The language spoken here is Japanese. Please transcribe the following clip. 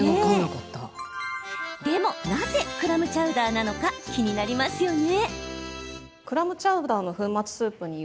でも、なぜクラムチャウダーなのか気になりますよね？